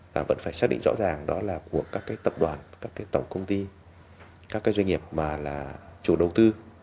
và vẫn phải xác định rõ ràng đó là của các cái tập đoàn các cái tổng công ty các cái doanh nghiệp mà là chủ đầu tư